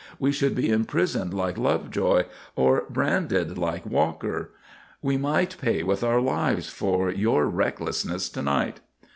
We should be imprisoned like Lovejoy, or branded like Walker. We might pay with our lives for your recklessness to night."